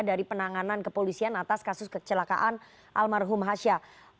dari penanganan kepolisian atas kasus kecelakaan almarhum hasha